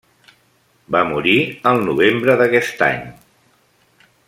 Va morir al novembre d'aquest any.